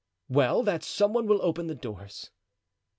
"Well, that some one will open the doors."